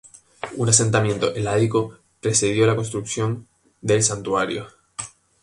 Un asentamiento heládico precedió la construcción del santuario.